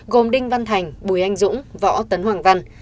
gồm đinh văn thành bùi anh dũng võ tấn hoàng văn